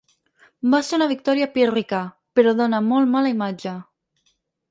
Va ser una victòria pírrica, però dóna molt mala imatge.